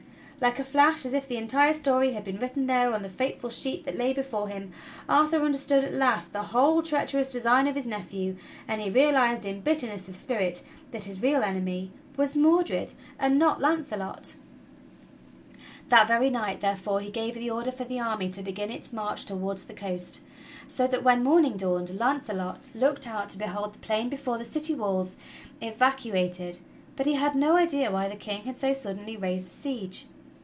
Like a flash, as if the entire story had been written there on the fateful sheet that lay before him, Arthur understood at last the whole treacherous design of his nephew; and he realized in bitterness of spirit that his real enemy was Mordred and not Launcelot. 148 THE STORY OF KING ARTHUR That very night, therefore, he gave the order for the army to begin its march toward the coast, so that when morning dawned, Launcelot looked out to behold the plain before the city walls evac uated, but he had no idea why the King had so suddenly raised the siege.